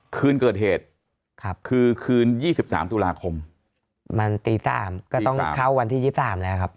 คืนเกิดเหตุครับคือคืน๒๓ตุลาคมมันตี๓ก็ต้องเข้าวันที่๒๓แล้วครับ